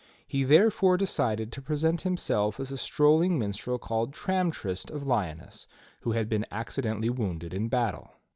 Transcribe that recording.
He there TRISTRAM, THE FOREST KNIGHT 69 fore decided to present himself as a strolling minstrel called Tram trist of Lyoness who had been accidentally wounded in battle.